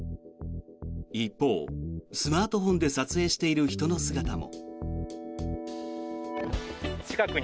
一方、スマートフォンで撮影している人の姿も。